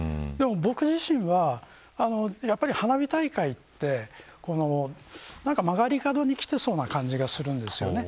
でも、僕自身は花火大会って、何か、曲がり角にきてそうな感じがするんですよね。